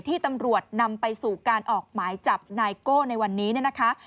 ที่ตำรวจนำไปสู่การออกหมายจับนายโก้ในวันนี้เนี่ยนะคะ